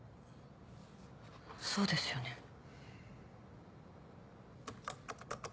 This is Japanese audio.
そうですよね。